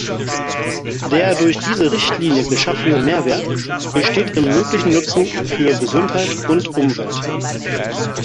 Der durch diese Richtlinie geschaffene Mehrwert besteht im möglichen Nutzen für Gesundheit und Umwelt.